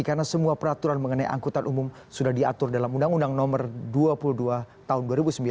karena semua peraturan mengenai angkutan umum sudah diatur dalam undang undang nomor dua puluh dua tahun dua ribu sembilan